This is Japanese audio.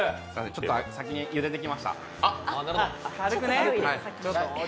ちょっと先にゆでてきました。